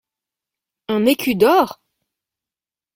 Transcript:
Un écu d’or ?